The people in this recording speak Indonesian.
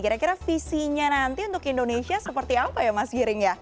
kira kira visinya nanti untuk indonesia seperti apa ya mas giring ya